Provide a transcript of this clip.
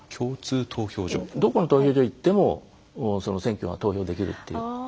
どこの投票所行っても選挙が投票できるという。